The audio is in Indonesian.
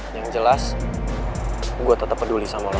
yang jelas gua tetep peduli sama lu